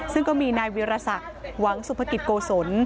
ซึ่งก็มีนายวิรสักหวังสุภกิจโกศล